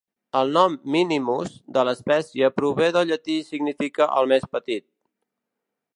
El nom "minimus" de l'espècie prové del llatí i significa "el més petit".